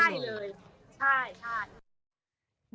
ใช่เลยใช่ใช่